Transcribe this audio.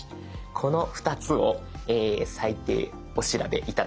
この２つを最低お調べ頂きたい。